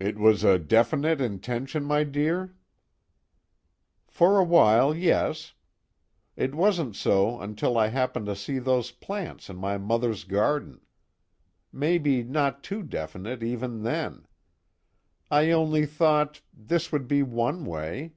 "It was a definite intention, my dear?" "For a while, yes. It wasn't so until I happened to see those plants in my mother's garden. Maybe not too definite even then. I only thought: this would be one way.